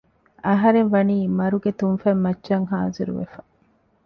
އަހަރެންވަނީ މަރުގެ ތުންފަތްމައްޗަށް ހާޒިރުވެފަ